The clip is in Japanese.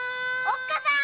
おっかさん。